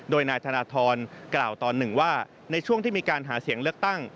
โดยนายธนทรกล่าวตอนหนึ่งว่าในช่วงที่มีการหาเสียงเลือกตั้ง